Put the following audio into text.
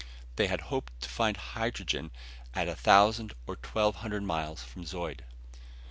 They had hoped to find hydrogen at a thousand or twelve hundred miles from Zeud.